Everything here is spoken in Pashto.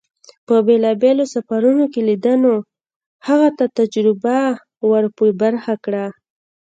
په بېلابېلو سفرون کې لیدنو هغه ته تجربه ور په برخه کړه.